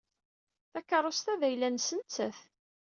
Takeṛṛust-a d ayla-nnes nettat.